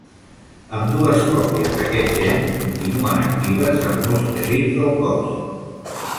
Ambdues còpies d'aquest gen continuen actives en molts teixits del cos.